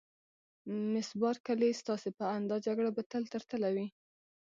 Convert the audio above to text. مس بارکلي: ستاسي په اند دا جګړه به تل تر تله وي؟